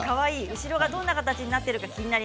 後ろがどんな形になっているか気になる。